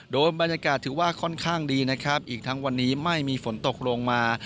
โดยบรรยากาศถือว่าค่อนข้างดีนะครับอีกทั้งวันนี้ไม่มีฝนตกลงมา